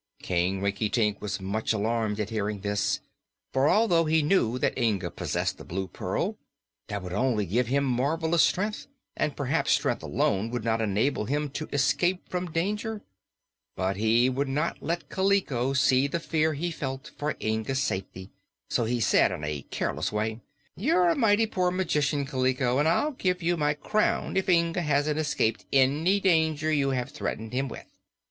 King Rinkitink was much alarmed at hearing this, for although he knew that Inga possessed the Blue Pearl, that would only give to him marvelous strength, and perhaps strength alone would not enable him to escape from danger. But he would not let Kaliko see the fear he felt for Inga's safety, so he said in a careless way: "You're a mighty poor magician, Kaliko, and I'll give you my crown if Inga hasn't escaped any danger you have threatened him with."